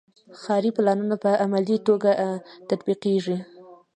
ښاري پلانونه په عملي توګه تطبیقیږي.